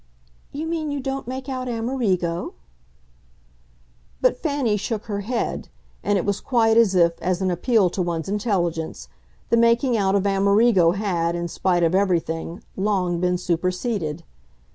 "You mean you don't make out Amerigo?" But Fanny shook her head, and it was quite as if, as an appeal to one's intelligence, the making out of Amerigo had, in spite of everything, long been superseded.